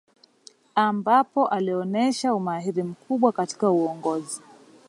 Ambapo alionesha umahiri mkubwa katika uongozi